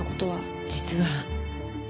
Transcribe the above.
実は。